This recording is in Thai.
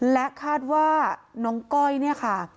และคาดว่าน้องก้อยเนี่ยค่ะ